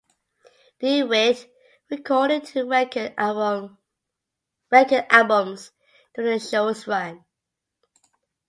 DeWitt recorded two record albums during the show's run.